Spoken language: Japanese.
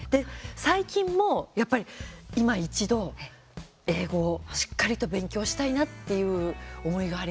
最近もやっぱり、いま一度英語をしっかりと勉強したいなっていう思いがあります。